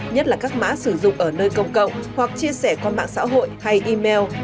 nhất là các mã sử dụng ở nơi công cộng hoặc chia sẻ qua mạng xã hội hay email